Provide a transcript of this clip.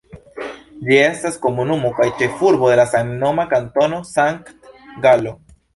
Ĝi estas komunumo kaj ĉefurbo de la samnoma Kantono Sankt-Galo.